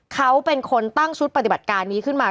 เขาเป็นคนตั้งชุดปฏิบัติการนี้ขึ้นมา